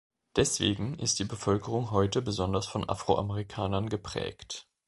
Deswegen ist die Bevölkerung heute besonders von Afroamerikanern geprägt.